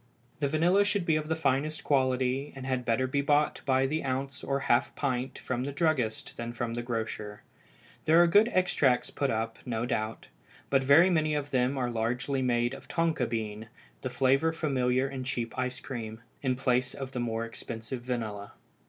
The vanilla should be of the finest quality, and had better be bought by the ounce or half pint from the druggist than from the grocer. There are good extracts put up, no doubt, but very many of them are largely made of tonka bean, the flavor familiar in cheap ice cream, in place of the more expensive vanilla.